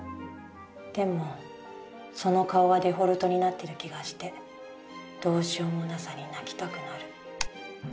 でもその顔がデフォルトになってる気がして、どうしようもなさに泣きたくなる」。